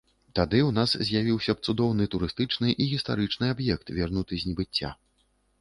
Тады ў нас з'явіўся б цудоўны турыстычны і гістарычны аб'ект, вернуты з небыцця.